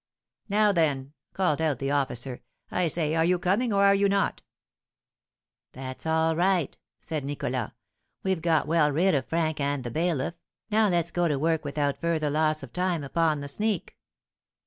"Now, then," called out the officer, "I say, are you coming or are you not?" "That's all right!" said Nicholas. "We've got well rid of Frank and the bailiff, now let's go to work without further loss of time upon the sneak!"